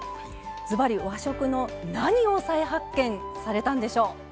ズバリ和食の何を再発見されたんでしょう？